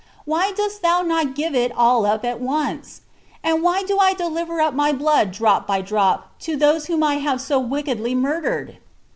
Why dost thou not give it all up at once? And why do I deliver up my blood drop by drop to those whom I have so wickedly murdered?"